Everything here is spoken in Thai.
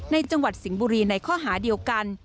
จังหวัดสิงห์บุรีในข้อหาเดียวกัน